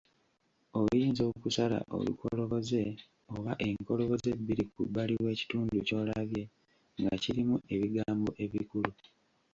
Oyinza okusala olukoloboze oba enkoloboze bbiri ku bbali w'ekitundu ky'olabye nga kirimu ebigambo ebikulu.